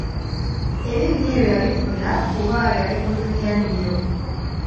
Erinnya eryo yalifuna kuba yali munyumya nnyo.